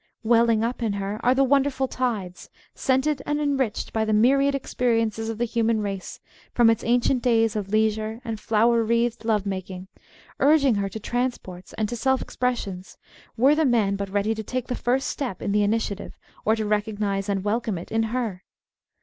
Welling up in her are the wonderful tides, scented and enriched by the myriad experiences of the human race from its ancient days of leisure and flower wreathed love making, urging her to transports and to self expressions, were the man but ready to take the first step in the initiative or to recognise and welcome it in her.